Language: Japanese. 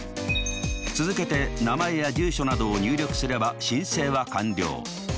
続けて名前や住所などを入力すれば申請は完了。